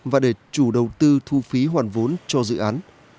và để chủ đầu tư thu phí hoàn vốn cho dự án